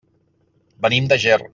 Venim de Ger.